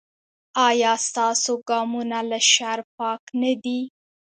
ایا ستاسو ګامونه له شر پاک نه دي؟